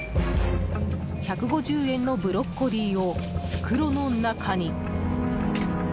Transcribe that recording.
１５０円のブロッコリーを袋の中に。